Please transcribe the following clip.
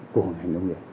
của ngành nông nghiệp